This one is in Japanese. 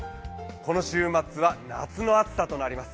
この週末は夏の暑さとなります。